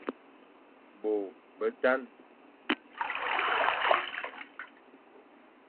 Bô betan,